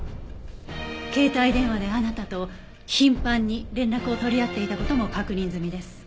携帯電話であなたと頻繁に連絡を取り合っていた事も確認済みです。